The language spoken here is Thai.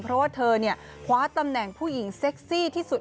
เพราะว่าเธอคว้าตำแหน่งผู้หญิงเซ็กซี่ที่สุด